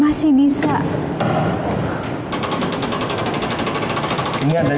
masih bisa dimainkan pak udin